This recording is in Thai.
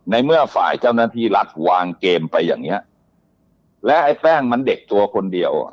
ในเมื่อฝ่ายเจ้าหน้าที่รัฐวางเกมไปอย่างเงี้ยและไอ้แป้งมันเด็กตัวคนเดียวอ่ะ